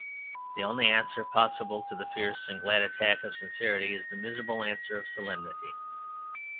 The only answer possible to the fierce and glad attack of sincerity is the miserable answer of solemnity.